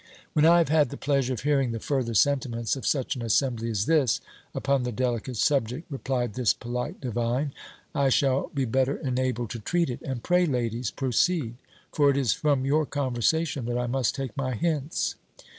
"When I have had the pleasure of hearing the further sentiments of such an assembly as this, upon the delicate subject," replied this polite divine, "I shall be better enabled to treat it. And pray, ladies, proceed; for it is from your conversation that I must take my hints."